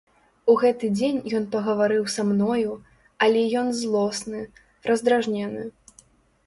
У гэты дзень ён пагаварыў са мною, але ён злосны, раздражнены.